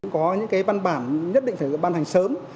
có những cái văn bản nhất định phải ban hành sớm